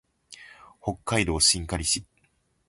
北海道真狩村